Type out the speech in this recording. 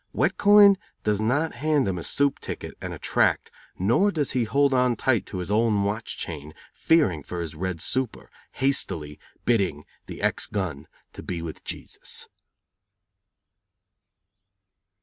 Wet Coin does not hand him a soup ticket and a tract nor does he hold on tight to his own watch chain fearing for his red super, hastily bidding the ex gun to be with Jesus.